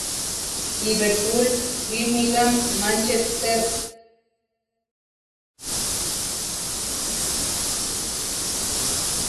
Liverpool, Birmingham, Manchester, Newcastle y sobre todo Londres tenían sus propias escenas musicales.